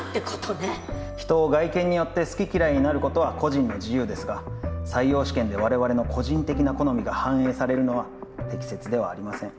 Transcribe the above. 人を外見によって好き嫌いになることは個人の自由ですが採用試験で我々の個人的な好みが反映されるのは適切ではありません。